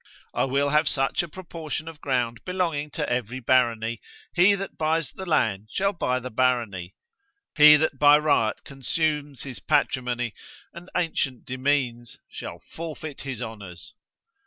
I will have such a proportion of ground belonging to every barony, he that buys the land shall buy the barony, he that by riot consumes his patrimony, and ancient demesnes, shall forfeit his honours.